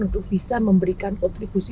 untuk bisa memberikan kontribusi